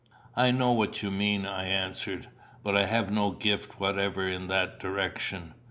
"I know what you mean," I answered; "but I have no gift whatever in that direction.